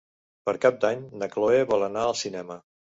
Per Cap d'Any na Chloé vol anar al cinema.